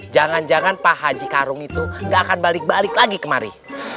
jangan jangan pak haji karung itu gak akan balik balik lagi kemari